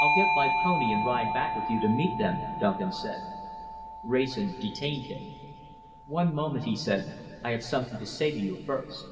"I'll get my pony and ride back with you to meet them," Duncan said. Wrayson detained him. "One moment," he said, "I have something to say to you first."